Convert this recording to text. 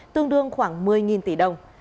tương đương khoảng một mươi tỷ đồng